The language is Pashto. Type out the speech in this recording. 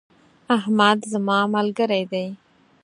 احمد زما ملګری دی.